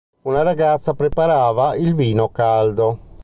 Una ragazza preparava il vino caldo.